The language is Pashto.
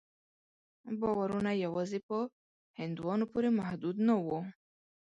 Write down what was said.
باورونه یوازې په هندوانو پورې محدود نه وو.